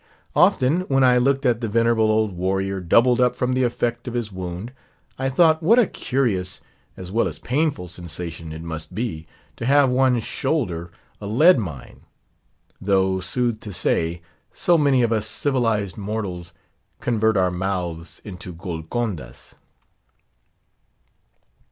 Often, when I looked at the venerable old warrior, doubled up from the effect of his wound, I thought what a curious, as well as painful sensation, it must be, to have one's shoulder a lead mine; though, sooth to say, so many of us civilised mortals convert our mouths into Golcondas.